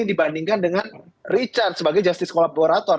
dibandingkan dengan richard sebagai justice kolaborator